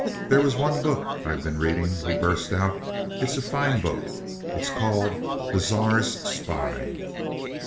"There was one book I've been reading," he burst out; "it's a fine book. It's called 'The Czar's Spy.'"